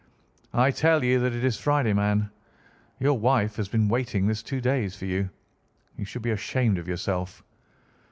"I tell you that it is Friday, man. Your wife has been waiting this two days for you. You should be ashamed of yourself!"